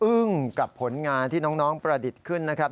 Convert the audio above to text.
กับผลงานที่น้องประดิษฐ์ขึ้นนะครับ